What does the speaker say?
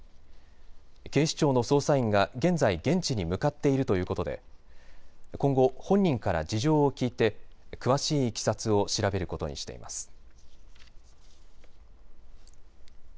警視庁の捜査員が現在、現地に向かっているということで今後、本人から事情を聴いて詳しいいきさつを調べることにしています。